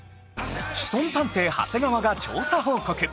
シソン探偵長谷川が調査報告